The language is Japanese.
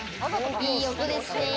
いい音ですね。